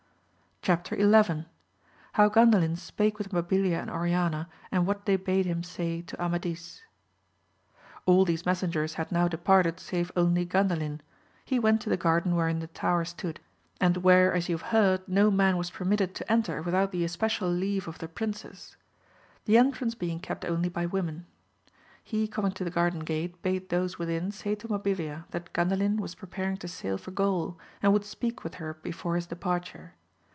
Mk Chap. XI. — How G andalin spake with Mabilia and Oriana, and what they bade him say to Amadis* III these messengers had now departed save only Gftndalin; he went to the garden wherein the tower stood, and where as you hav« heard no man was permitted to «nter without 96 AMADIS OF GAUL. the especial leave of the princess ; the entrance being kept only by women. He coming to the garden gate bade those within say to Mabilia that Gandalin was preparing to sail for Gaul, and would speak with her before his departure.